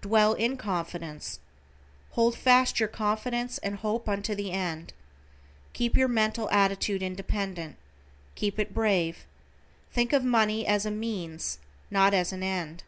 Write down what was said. "Dwell in confidence." "Hold fast your confidence and hope unto the end." Keep your mental attitude independent. Keep it brave. Think of money as a means, not as an end.